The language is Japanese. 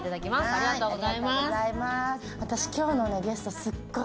ありがとうございます。